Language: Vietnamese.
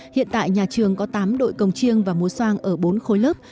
hiện tại nhà trường có tám đội cồng chiêng và múa soang ở bốn khối lớp